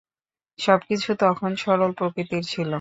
সবকিছু তখন সরল প্রকৃতির ছিল।